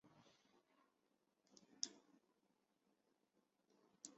中国大陆的歌迷称她为美丽的高山族护士歌手。